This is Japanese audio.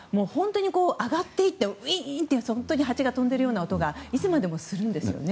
上がっていってウィーンというハチが飛んでいるような音がいつまでもするんですよね。